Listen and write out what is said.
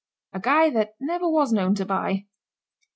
A guy that never was known to buy.